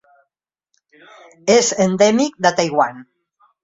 És endèmic de Taiwan.